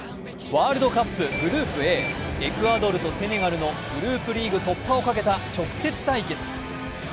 ワールドカップグループＡ、エクアドルとセネガルのグループリーグ突破をかけた直接対決。